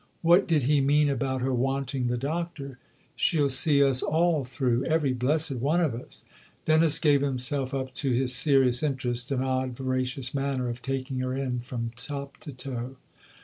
"What did he mean about her wanting the Doctor? She'll see us all through every blessed one of us !" Dennis gave himself up to his serious interest, an odd, voracious manner of taking her in from top to toe.